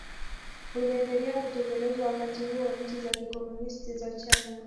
uliendelea kutekelezwa Wakati huo nchi za kikomunisti za China